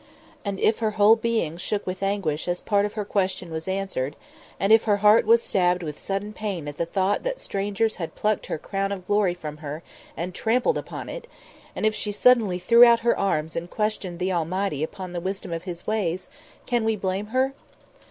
And if her whole being shook with anguish as part of her question was answered; and if her heart was stabbed with sudden pain at the thought that strangers had plucked her crown of glory from her and trampled upon it; and if she suddenly threw out her arms and questioned the Almighty upon the wisdom of His ways, can we blame her?